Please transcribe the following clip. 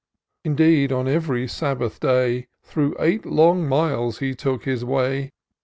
Indeed, on ev'ry Sabbath day, Through eight long miles he took his way.